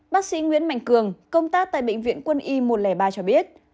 bác sĩ nguyễn mạnh cường công tác tại bệnh viện quân y một trăm linh ba cho biết